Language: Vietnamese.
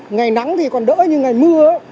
ngày nắng thì còn đỡ như ngày mưa